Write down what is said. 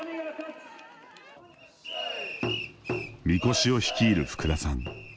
みこしを率いる福田さん。